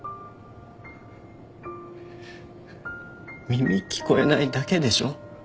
耳聞こえないだけでしょ？